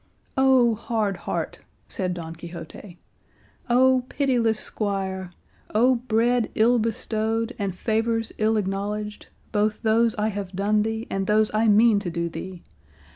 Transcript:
"O hard heart!" said Don Quixote, "O pitiless squire! O bread ill bestowed and favours ill acknowledged, both those I have done thee and those I mean to do thee!